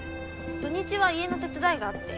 土日は家の手伝いがあって。